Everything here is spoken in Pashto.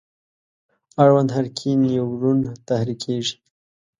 اړوند حرکي نیورون تحریکیږي.